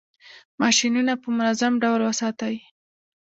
ماشینونه په منظم ډول وساتئ.